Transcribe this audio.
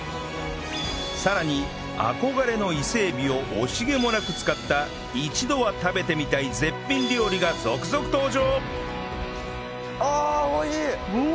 さらに憧れの伊勢エビを惜しげもなく使った一度は食べてみたい絶品料理が続々登場！